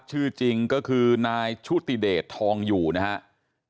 ชื่อจริงก็คือนายชุติเดชทองอยู่นะครับ